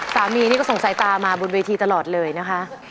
นี่ก็ส่งสายตามาบนเวทีตลอดเลยนะคะ